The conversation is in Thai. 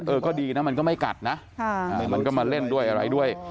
เออก็ดีนะมันก็ไม่กัดนะมันก็มาเล่นด้วยอะไรด้วย